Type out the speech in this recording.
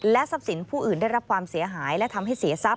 ทรัพย์สินผู้อื่นได้รับความเสียหายและทำให้เสียทรัพย